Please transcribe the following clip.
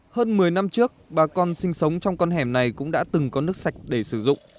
hơn một mươi năm trước bà con sinh sống trong con hẻm này cũng đã từng có nước sạch để sử dụng